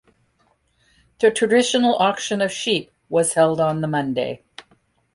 The traditional auction of sheep was held on the Monday.